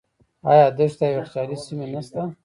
آیا دښتې او یخچالي سیمې نشته؟